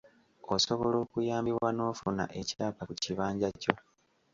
Osobola okuyambibwa n'ofuna ekyapa ku kibanja kyo.